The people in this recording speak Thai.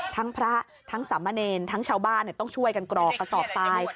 ทั้งพระทั้งสามเณรทั้งชาวบ้านต้องช่วยกันกรอกกระสอบทราย